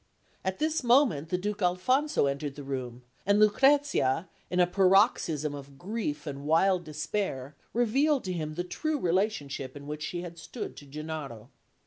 At this moment, the Duke Alphonso entered the room; and Lucrezia, in a paroxysm of grief and wild despair, revealed to him the true relationship in which she had stood to Gennaro.